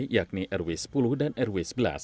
yakni rw sepuluh dan rw sebelas